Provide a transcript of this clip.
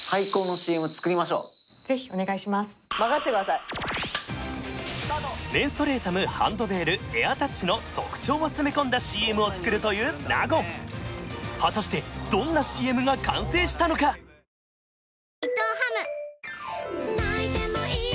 いやイエーイじゃなくてメンソレータムハンドベールエアタッチの特長を詰め込んだＣＭを作るという納言果たしてどんなＣＭが完成したのかうわ